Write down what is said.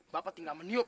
bapak tinggal meniup